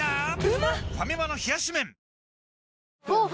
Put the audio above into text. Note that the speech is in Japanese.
ファミマの冷し麺あっ！